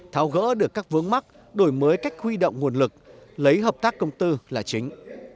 tháo gỡ được các vướng mắc đổi mới cách huy động nguồn lực lấy hợp tác công tư là chính